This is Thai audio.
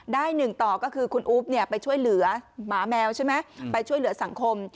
หนึ่งต่อก็คือคุณอุ๊บไปช่วยเหลือหมาแมวใช่ไหมไปช่วยเหลือสังคม